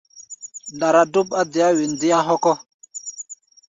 Ndara dóp á deá wen déá hɔkɔ.